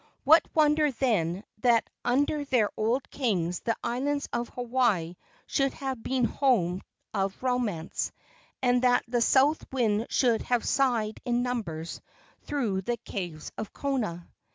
What wonder, then, that under their old kings the islands of Hawaii should have been the home of romance, and that the south wind should have sighed in numbers through the caves of Kona?